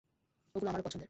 ওগুলো আমারও পছন্দের।